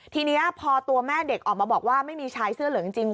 ทีนี้พอตัวแม่เด็กออกมาบอกว่าไม่มีชายเสื้อเหลืองจริง